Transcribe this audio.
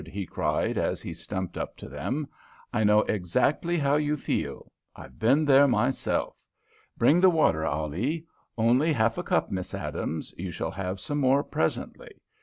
he cried, as he stumped up to them. "I know exactly how you feel. I've been there myself. Bring the water, Ali! Only half a cup, Miss Adams; you shall have some more presently.